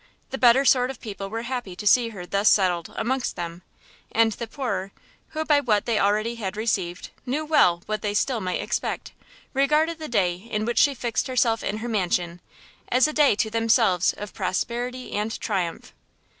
The better sort of people were happy to see her thus settled amongst them, and the poorer, who by what they already had received, knew well what they still might expect, regarded the day in which she fixed herself in her mansion, as a day to themselves of prosperity and triumph.